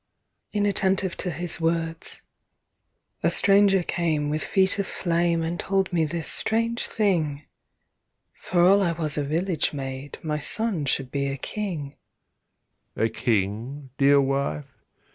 MARY (inattentive to his words.) A stranger came with feet of flame And told me this strange thing, For all I was a village maid My son should be a King. JOSEPH A King, dear wife.